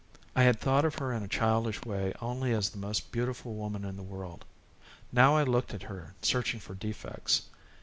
I had thought of her in a childish way only as the most beautiful woman in the world; now I looked at her searching for defects.